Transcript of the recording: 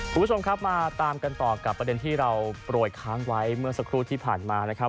คุณผู้ชมครับมาตามกันต่อกับประเด็นที่เราโปรยค้างไว้เมื่อสักครู่ที่ผ่านมานะครับ